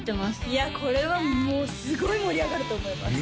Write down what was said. いやこれはもうすごい盛り上がると思います